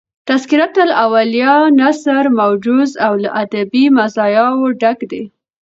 "تذکرةالاولیاء" نثر موجز او له ادبي مزایاو ډک دﺉ.